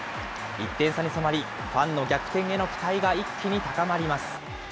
１点差に迫り、ファンの逆転への期待が一気に高まります。